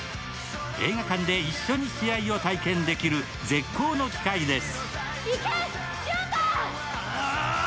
映画館で一緒に試合を体験できる絶好の機会です。